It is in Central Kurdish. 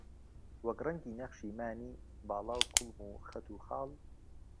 وەک ڕەنگی نەخشی مانی، باڵا و کوڵم و خەت و خاڵ